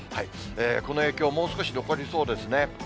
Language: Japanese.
この影響、もう少し残りそうですね。